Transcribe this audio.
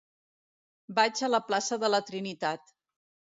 Vaig a la plaça de la Trinitat.